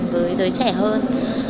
với đời trẻ hơn